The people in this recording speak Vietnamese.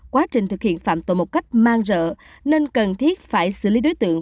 quá trình thực hiện phạm tội một cách man rợ nên cần thiết phải xử lý đối tượng